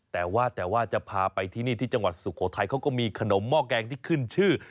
แต่ว่าแต่ว่าจะพาไปที่นี่ที่จังหวัดสุโขทัยเขาก็มีขนมหม้อแกงที่ขึ้นชื่อ